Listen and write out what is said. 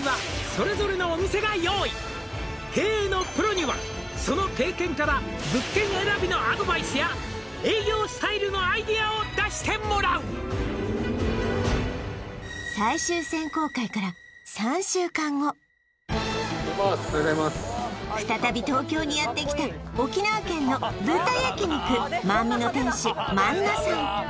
「それぞれのお店が用意」「経営のプロにはその経験から」「物件選びのアドバイスや」「営業スタイルのアイデアを出してもらう」おはようございますおはようございます再び東京にやってきた沖縄県の豚焼肉満味の店主満名さん